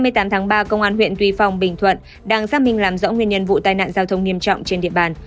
sáng ngày hai mươi tám tháng ba công an huyện tuy phong bình thuận đang giác minh làm rõ nguyên nhân vụ tai nạn giao thông nghiêm trọng trên địa bàn